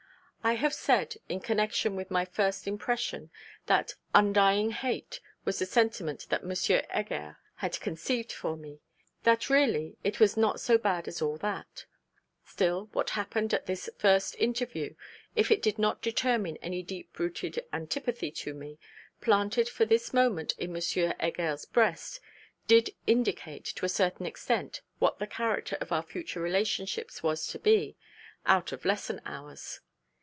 I have said in connection with my first impression, that 'undying hate' was the sentiment that M. Heger had conceived for me that really 'it was not so bad as all that.' Still, what happened at this first interview, if it did not determine any deep rooted antipathy to me, planted from this moment in M. Heger's breast, did indicate, to a certain extent, what the character of our future relationships was to be _out of lesson hours.